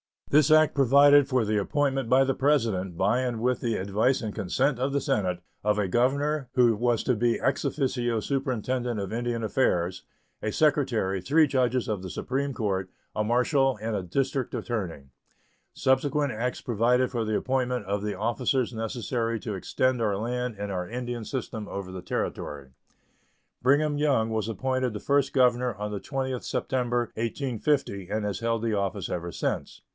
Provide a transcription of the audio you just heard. This act provided for the appointment by the President, by and with the advice and consent of the Senate, of a governor (who was to be ex officio superintendent of Indian affairs), a secretary, three judges of the supreme court, a marshal, and a district attorney. Subsequent acts provided for the appointment of the officers necessary to extend our land and our Indian system over the Territory. Brigham Young was appointed the first governor on the 20th September, 1850, and has held the office ever since.